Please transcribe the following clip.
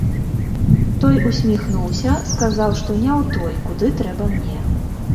Той усміхнуўся, сказаў, што не ў той, куды трэба мне.